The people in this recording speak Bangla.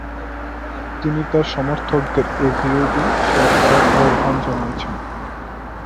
তিনি তার সমর্থকদের এই ভিডিওটি শেয়ার করার আহ্বান জানিয়েছিলেন।